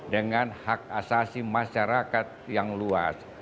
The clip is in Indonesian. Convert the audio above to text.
dengan hak asasi masyarakat yang luas